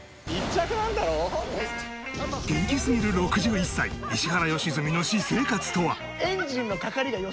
元気すぎる６１歳石原良純の私生活とは！？